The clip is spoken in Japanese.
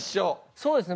そうですね。